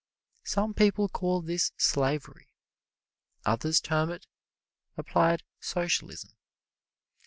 Some people call this slavery; others term it applied socialism.